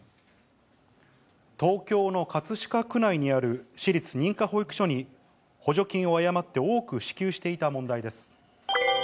東京の葛飾区内にある私立認可保育所に、補助金を誤って多く支給していた問題です。